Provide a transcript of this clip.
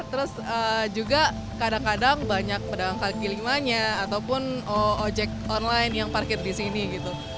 terus juga kadang kadang banyak pedang kaki limanya ataupun ojek online yang parkir di sini gitu